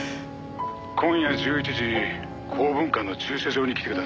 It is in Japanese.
「今夜１１時港文館の駐車場に来てください」